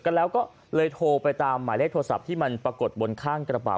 กันแล้วก็เลยโทรไปตามหมายเลขโทรศัพท์ที่มันปรากฏบนข้างกระเป๋า